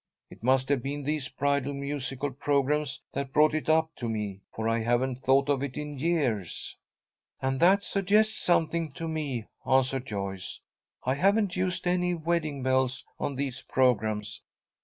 It must have been these bridal musicale programmes that brought it up to me, for I haven't thought of it in years." "And that suggests something to me," answered Joyce. "I haven't used any wedding bells on these programmes.